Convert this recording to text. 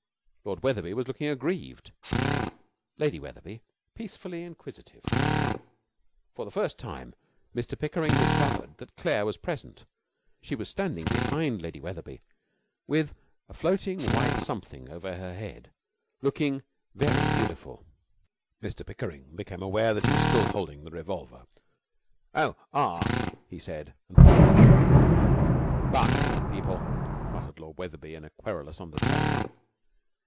Lord Wetherby was looking aggrieved, Lady Wetherby peacefully inquisitive. For the first time Mr Pickering discovered that Claire was present. She was standing behind Lady Wetherby with a floating white something over her head, looking very beautiful. 'For the love of Mike!' said Lady Wetherby. Mr Pickering became aware that he was still holding the revolver. 'Oh, ah!' he said, and pocketed the weapon. 'Barking at people!' muttered Lord Wetherby in a querulous undertone.